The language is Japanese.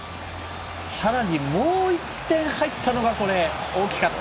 さらにもう１点入ったのがこれ大きかった。